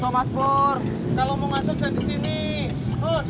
mas pur apa sih